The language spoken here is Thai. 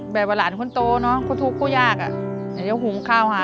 เวลาฉันออกไปเก็บผัก